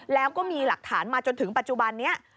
แล้วก็มีหลักฐานมาจนถึงปัจจุบันนี้